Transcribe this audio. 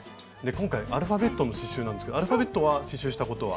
今回アルファベットの刺しゅうなんですけどアルファベットは刺しゅうしたことは。